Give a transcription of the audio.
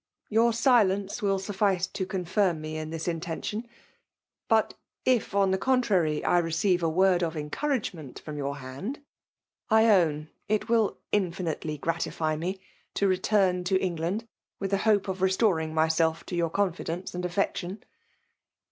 Your silence will suffice to confirm me in this intention ; but i£ on the contrary, I receive a word of encouragement from your hand, I own it will infinitely gratify me to return to Eng land with the hope of restoring myself to your confidence and affection.